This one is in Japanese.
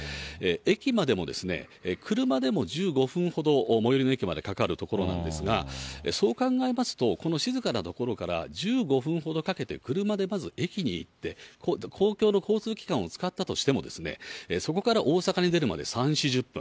駅までもですね、車でも１５分ほど、最寄りの駅までかかる所なんですが、そう考えますと、この静かな所から１５分ほどかけて、車でまず駅に行って、公共の交通機関を使ったとしても、そこから大阪に出るまで３、４０分。